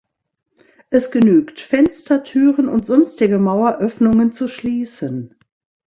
Es genügt, Fenster, Türen und sonstige Maueröffnungen zu schließen.